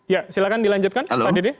ya silahkan dilanjutkan pak dede